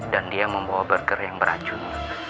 dan dia membawa burger yang beracun